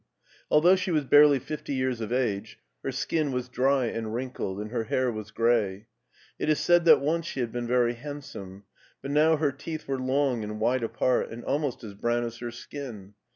Although she was barely fifty years of age her skin was dry and wrinkled and her hair was gray. It is said that once she had been very handsome, but now her teeth were long and wide apart and almost as brown as her skin.